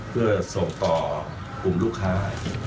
เพื่อส่งต่อกลุงค้า